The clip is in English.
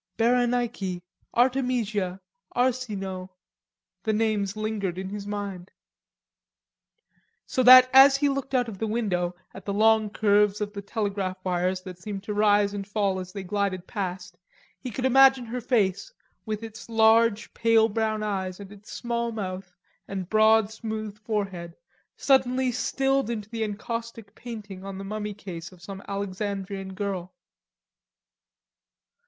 "Berenike, Artemisia, Arsinoe," the names lingered in his mind. So that as he looked out of the window at the long curves of the telegraph wires that seemed to rise and fall as they glided past, he could imagine her face, with its large, pale brown eyes and its small mouth and broad smooth forehead, suddenly stilled into the encaustic painting on the mummy case of some Alexandrian girl.